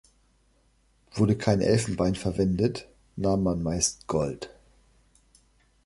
Wurde kein Elfenbein verwendet, nahm man meist Gold.